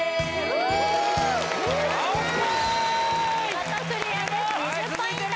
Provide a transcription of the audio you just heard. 見事クリアです２０ポイント